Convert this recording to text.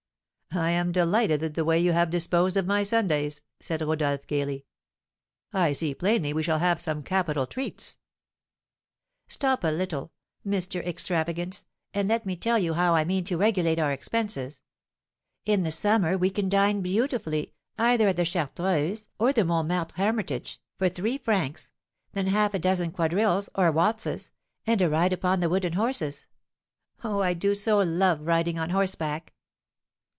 "I am delighted at the way you have disposed of my Sundays," said Rodolph, gaily. "I see plainly we shall have some capital treats." "Stop a little, Mr. Extravagance, and let me tell you how I mean to regulate our expenses; in the summer we can dine beautifully, either at the Chartreuse or the Montmartre hermitage, for three francs, then half a dozen quadrilles or waltzes, and a ride upon the wooden horses, oh, I do so love riding on horseback!